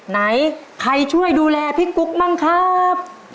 ไหนใครช่วยดูแลพี่กุ๊กบ้างครับ